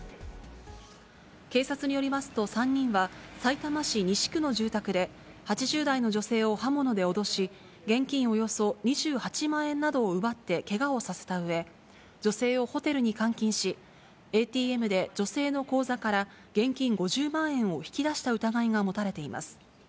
警察によりますと、３人はさいたま市西区の住宅で８０代の女性を刃物で脅し、現金およそ２８万円などを奪ってけがをさせたうえ、女性をホテルに監禁し、ＡＴＭで女性の口座から現金５０万円を引き出した疑いが持たれています。